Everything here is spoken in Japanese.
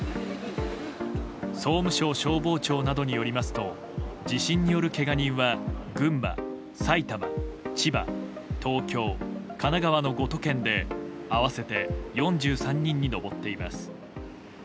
総務省消防庁などによりますと地震による、けが人は群馬、埼玉、千葉、東京神奈川の５都県で合わせて４３人に上っています。